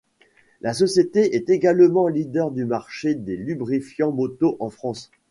La société est également leader du marché des lubrifiants moto en France.